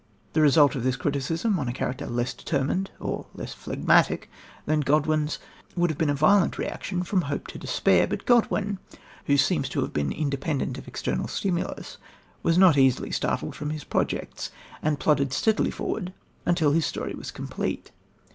The result of this criticism on a character less determined or less phlegmatic than Godwin's would have been a violent reaction from hope to despair. But Godwin, who seems to have been independent of external stimulus, was not easily startled from his projects, and plodded steadily forward until his story was complete.